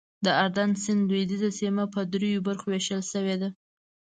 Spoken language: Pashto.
د اردن سیند لوېدیځه سیمه په دریو برخو ویشل شوې ده.